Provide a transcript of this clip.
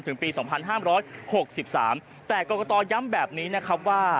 ปี๒๕๖๓แต่กรกตย้ำแบบนี้นะครับว่า